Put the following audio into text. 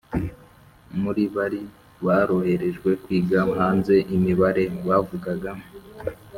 Muri bari baroherejwe kwiga hanze imibare bavugaga